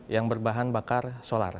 yang berbahan bakar solar